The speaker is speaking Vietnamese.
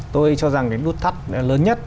tôi cho rằng cái nút thắt lớn nhất